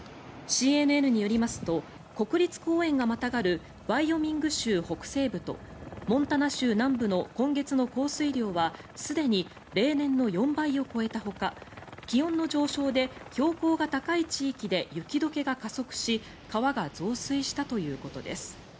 ＣＮＮによりますと国立公園がまたがるワイオミング州北西部とモンタナ州南部の今月の降水量はすでに例年の４倍を超えたほか気温の上昇で標高が高い地域で雪解けが加速し川が増水したということです。